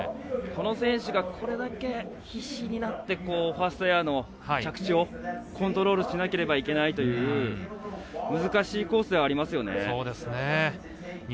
この選手がこれだけ必死になってファーストエアの着地をコントロールしなければいけないという難しいコースではありますよね。